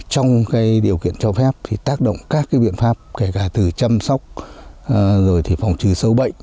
trong điều kiện cho phép thì tác động các biện pháp kể cả từ chăm sóc rồi thì phòng trừ sâu bệnh